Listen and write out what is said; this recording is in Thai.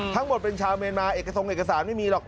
ทั้งหมดเป็นชาวเมียนมาเอกทรงเอกสารไม่มีหรอก